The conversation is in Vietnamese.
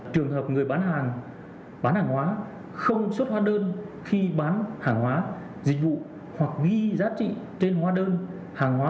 trường hợp người bán hàng bán hàng hóa không xuất hoa đơn khi bán hàng hóa dịch vụ hoặc ghi giá trị trên hoa đơn